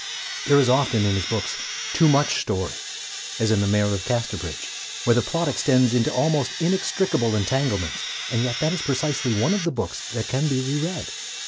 There is often, in his books, too much story, as in The Mayor of Casterbridge, where the plot extends into almost inextricable entanglements; and yet that is precisely one of the books that can be re read.